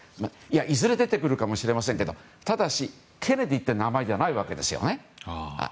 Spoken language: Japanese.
いずれ出てくるかもしれませんけどケネディって名前じゃないわけですよね。